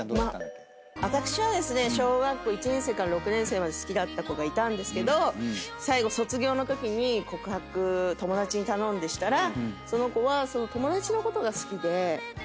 私は小学校１年生から６年生まで好きだった子がいたんですけど最後卒業のときに告白友達に頼んでしたらその子はその。